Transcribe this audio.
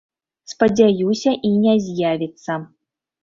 Спадзяюся, і не з'явіцца.